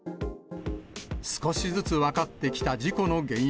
少しずつ分かってきた事故の原因。